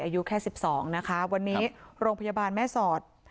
อายุแค่สิบสองนะคะวันนี้ครับโรงพยาบาลแม่ศอด